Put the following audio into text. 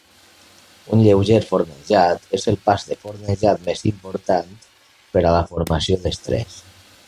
Un lleuger fornejat és el pas de fornejat més important per a la formació d'estrès.